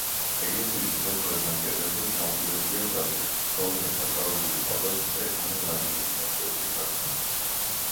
ეკლესიის შესასვლელთან კედელზე ჩამოკიდებულია ჯაჭვი, რომლითაც დაკავებული ჰყავდათ სტეფანე რაზინი მოსკოვში გაგზავნამდე.